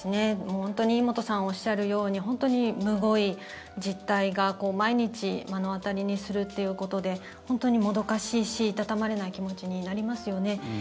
井本さんがおっしゃるように本当にむごい実態が、毎日目の当たりにするということで本当にもどかしいしいたたまれない気持ちになりますよね。